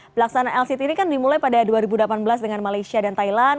pelaksanaan lct ini kan dimulai pada dua ribu delapan belas dengan malaysia dan thailand